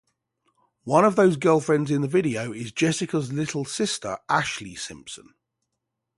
One of those girlfriends in the video is Jessica's little sister Ashlee Simpson.